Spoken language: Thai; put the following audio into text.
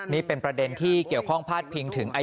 นี่เป็นประเด็นที่เกี่ยวข้องพาดพิงถึง